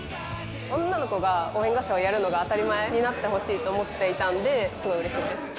女の子が応援合戦をやるのが当たり前になってほしいと思っていたんで、すごいうれしいです。